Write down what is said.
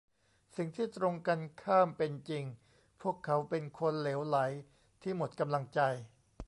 สิ่งที่ตรงกันข้ามเป็นจริง พวกเขาเป็นคนเหลวไหลที่หมดกำลังใจ